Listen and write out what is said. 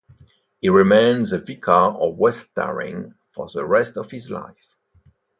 He remained the vicar of West Tarring for the rest of his life.